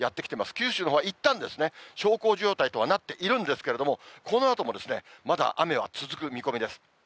九州のほうは、いったん小康状態とはなっているんですけれども、このあともまだ雨は続く見込みです。